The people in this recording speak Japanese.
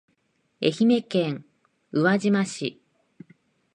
愛媛県宇和島市